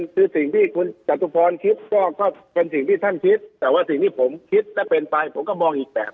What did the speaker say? คือสิ่งที่คุณจตุพรคิดก็เป็นสิ่งที่ท่านคิดแต่ว่าสิ่งที่ผมคิดและเป็นไปผมก็มองอีกแบบ